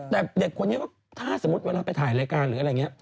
แต่เด็กคนนี้ก็ถ้าสมมุติเวลาไปถ่ายรายการหรืออะไรอย่างนี้